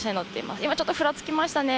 今ちょっとふらつきましたね。